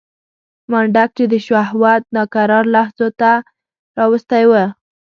منډک چې د شهوت ناکرار لحظو کې راوستی و.